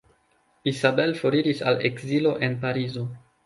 Isabel foriris al ekzilo en Parizo.